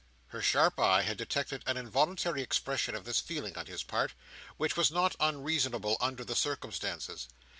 Her sharp eye had detected an involuntary expression of this feeling on his part, which was not unreasonable under the circumstances.